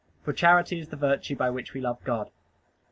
For charity is the virtue by which we love God.